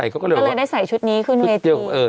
เขาก็เลยได้ใส่ชุดนี้ขึ้นเวที